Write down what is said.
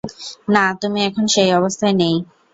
না, তুমি এখন সেই অবস্থায় নেই।